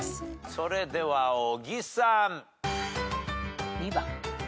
それでは尾木さん。